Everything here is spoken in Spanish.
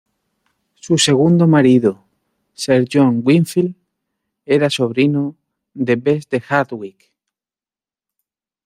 Su segundo marido, Sir John Wingfield, era sobrino de Bess de Hardwick.